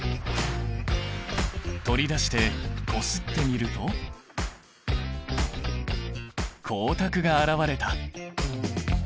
取り出してこすってみると光沢があらわれた！